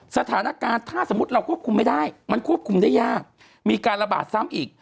สถานการณ์ถ้าสมมุติเราควบคุมไม่ได้มันควบคุมได้ยากมีการระบาดซ้ำอีก